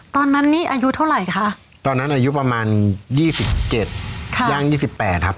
ตอนนั้นนี่อายุเท่าไหร่คะตอนนั้นอายุประมาณยี่สิบเจ็ดค่ะย่าง๒๘ครับ